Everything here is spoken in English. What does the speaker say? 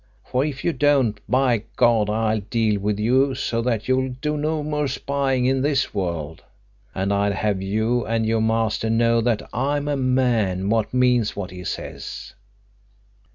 For if you don't, by God, I'll deal with you so that you'll do no more spying in this world! And I'd have you and your master know that I'm a man what means what he says."